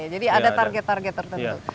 ada target target tertentu